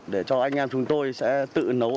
để cho anh em chúng tôi sẽ tự nấu